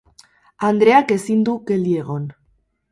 Andreak ezin du geldi egon.